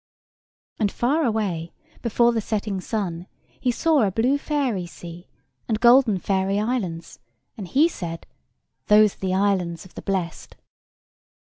And far away, before the setting sun, he saw a blue fairy sea, and golden fairy islands, and he said, "Those are the islands of the blest."